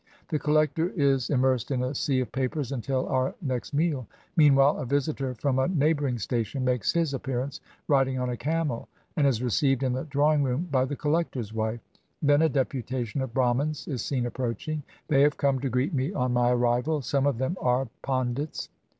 The collector is im mersed in a sea of papers until our next meal. Mean while a visitor from a neighboring station makes his appearance riding on a camel, and is received in the drawing room by the collector's wife. Then a deputa tion of Brahmans is seen approaching. They have come to greet me on my arrival; some of them are Pandits.